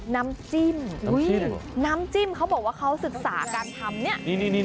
น้ำจิ้มน้ำจิ้มเขาบอกว่าเขาศึกษาการทำเนี่ย